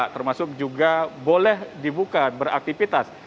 termasuk juga boleh dibuka beraktivitas